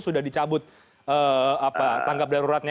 sudah dicabut tanggap daruratnya